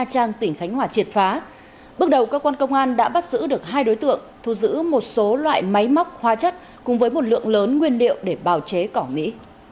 cơ quan công an đã bắt giữ được hai đối tượng thu giữ một số loại máy móc hoa chất cùng với một lượng lớn nguyên liệu để bào chế cỏ mỹ